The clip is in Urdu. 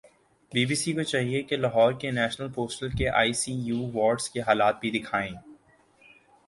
بی بی سی کو چاہیے کہ لاہور کے نیشنل ہوسپٹل کے آئی سی یو وارڈز کے حالات بھی دیکھائیں